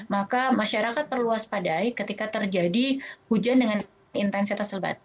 maka masyarakat perlu waspadai ketika terjadi hujan dengan intensitas lebat